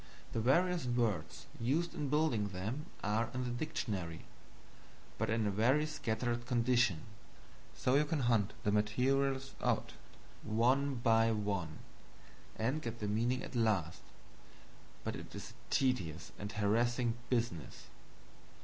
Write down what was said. The various words used in building them are in the dictionary, but in a very scattered condition; so you can hunt the materials out, one by one, and get at the meaning at last, but it is a tedious and harassing business.